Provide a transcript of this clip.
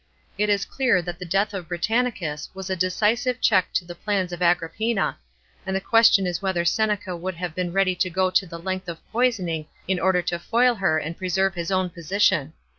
It is clear that the death of Britannicus was a decisive ch< ck to the plans of Agrippina, and the question is whether Seneca would have been ready to go to the length of poisoning in order to foil her and preserve his own position.